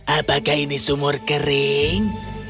apakah ini sumur kering